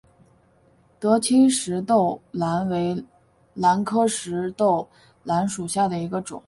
德钦石豆兰为兰科石豆兰属下的一个种。